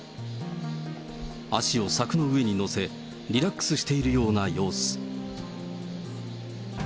足を柵の上にのせ、リラックスしているような様子。